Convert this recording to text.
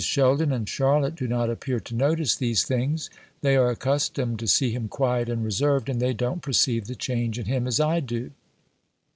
Sheldon and Charlotte do not appear to notice these things. They are accustomed to see him quiet and reserved, and they don't perceive the change in him as I do."